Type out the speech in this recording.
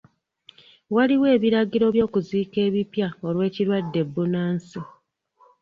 Waliwo ebiragiro by'okuziika ebipya olw'ekirwadde bbunansi.